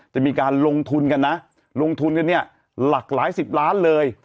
จะมีการลงทุนกันนะลงทุนกันเนี่ยหลากหลายสิบล้านเลย